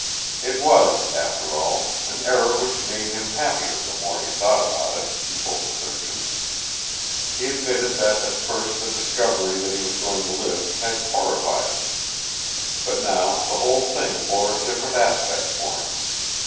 It was, after all, an error which made him happier the more he thought about it, he told the surgeon. He admitted that at first the discovery that he was going to live had horrified him. But now the whole thing bore a different aspect for him.